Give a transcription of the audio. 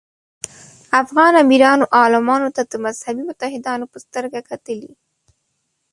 افغان امیرانو عالمانو ته د مذهبي متحدانو په سترګه کتلي.